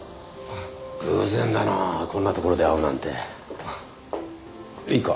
偶然だなこんな所で会うなんて。いいか？